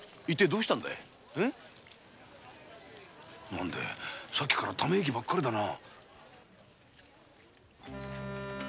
何だいさっきからため息ばっかりだな。